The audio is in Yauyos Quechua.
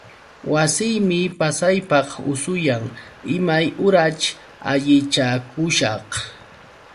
Wasiymi pasaypaq usuyan. Imay uraćh allichakushaq?